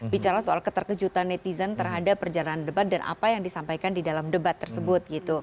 bicara soal keterkejutan netizen terhadap perjalanan debat dan apa yang disampaikan di dalam debat tersebut gitu